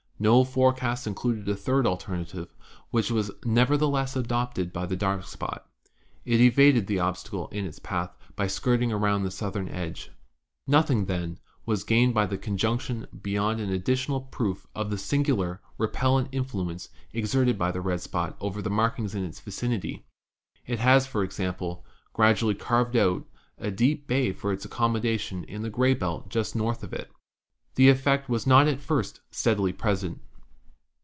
No forecast included a third alternative, which was nevertheless adopted by the dark spot. It evaded the obstacle in its path by skirting around the southern edge. "Nothing, then, was gained by the conjunction beyond an additional proof of the singular repellent influence exerted by the red spot over the markings in its vicinity. JUPITER 201 It has, for example, gradually carved out a deep bay for its accommodation in the gray belt just north of it. The effect was not at first steadily present.